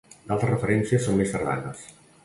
D'altres referències són més tardanes.